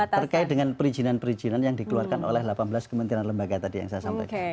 terkait dengan perizinan perizinan yang dikeluarkan oleh delapan belas kementerian lembaga tadi yang saya sampaikan